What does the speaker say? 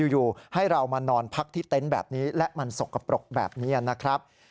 อยู่ให้เรามานอนพักที่เต็นต์แบบนี้และมันสกปรกแบบนี้นะครับ